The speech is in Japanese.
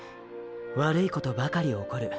“悪いことばかりおこる”